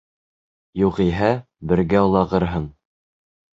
Юғиһә, бергә олағырһың!